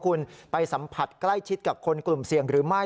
คุณไปสัมผัสใกล้ชิดกับคนกลุ่มเสี่ยงหรือไม่